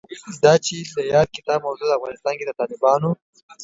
دا چې د یاد کتاب موضوع افغانستان کې د طالبانو